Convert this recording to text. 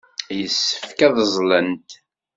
Yessefk ad ẓẓlent.